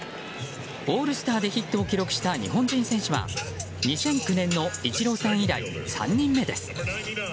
オールスターでヒットを記録した日本人選手は２００９年のイチローさん以来３人目です。